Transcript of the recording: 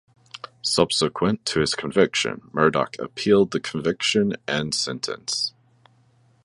Subsequent to his conviction, Murdoch appealed the conviction and sentence.